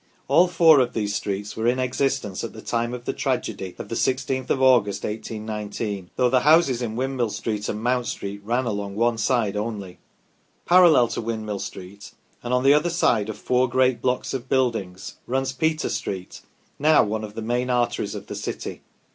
All four of these streets were in existence at the time of the tragedy of the 1 6th of August, 1819, though the houses in Windmill Street and Mount Street ran along one side only. Parallel to Windmill Street, and on the other side of four great blocks of buildings, runs Peter Street, now one of the main arteries of the city.